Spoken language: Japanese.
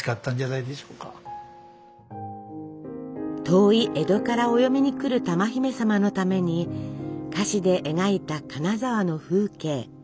遠い江戸からお嫁に来る珠姫様のために菓子で描いた金沢の風景。